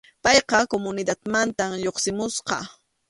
Payqa comunidadninmanta lluqsimusqa.